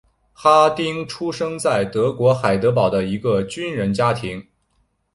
哈丁出生在德国海德堡的一个军人家庭。